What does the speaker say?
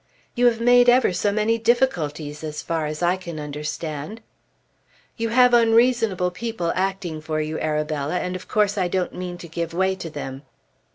"You have made ever so many difficulties as far as I can understand." "You have unreasonable people acting for you, Arabella, and of course I don't mean to give way to them."